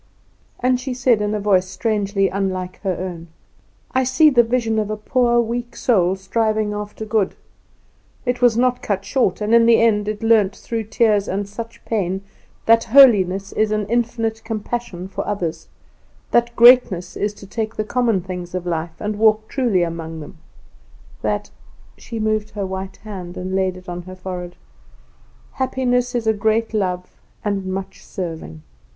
And she said, in a voice strangely unlike her own: "I see the vision of a poor, weak soul striving after good. It was not cut short, and in the end it learnt, through tears and much pain, that holiness is an infinite compassion for others; that greatness is to take the common things of life and walk truly among them; that" She moved her white hand and laid it on her forehead "happiness is a great love and much serving.